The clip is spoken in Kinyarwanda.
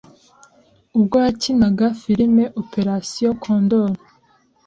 Ubwo yakinaga Filime Operation Condor